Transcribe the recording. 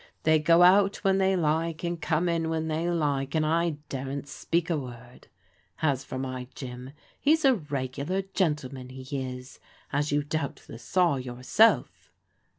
They go out when they like and come in when they like, and I daren't speak a word. As for my Jim, he's a regular gentleman, he is, as you doubtless saw yourself."